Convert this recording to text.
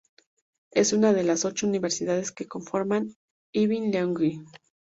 Es una de las ocho universidades que conforman la Ivy League.